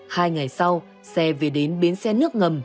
hai ngày sau xe về đến bến xe nước ngầm